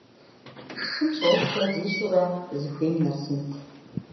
Шым щӏэупщӏэ зищӏурэ, зыхуейм нэсынт.